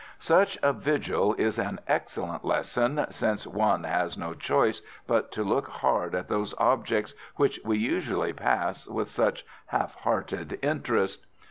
Such a vigil is an excellent lesson, since one has no choice but to look hard at those objects which we usually pass with such half hearted interest.